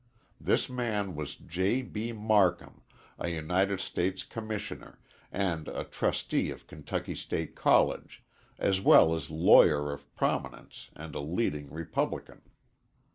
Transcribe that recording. This man was J. B. Marcum, a United States Commissioner, and a trustee of Kentucky State College, as well as lawyer of prominence and a leading Republican.